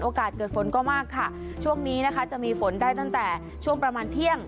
เกิดฝนก็มากค่ะช่วงนี้นะคะจะมีฝนได้ตั้งแต่ช่วงประมาณเที่ยง